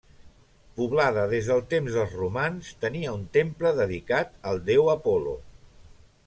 Poblada des dels temps dels romans, tenia un temple dedicat al déu Apol·lo.